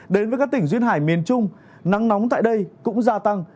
đến với các tỉnh duyên hải miền trung nắng nóng tại đây cũng gia tăng